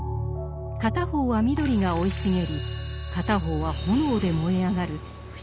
片方は緑が生い茂り片方は炎で燃えあがる不思議な木。